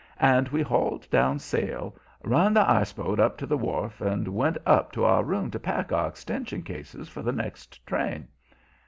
And we hauled down sail, run the ice boat up to the wharf, and went up to our room to pack our extension cases for the next train.